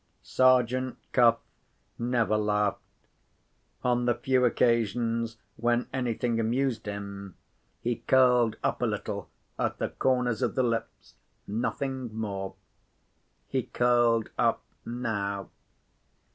Sergeant Cuff never laughed. On the few occasions when anything amused him, he curled up a little at the corners of the lips, nothing more. He curled up now.